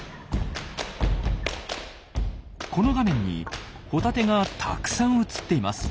この画面にホタテがたくさん映っています。